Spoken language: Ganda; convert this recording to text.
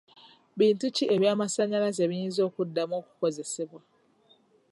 Bintu ki eby'amasannyalaze ebiyinza okuddamu okukozesebwa?